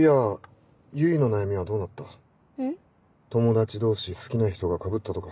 友達同士好きな人がかぶったとか。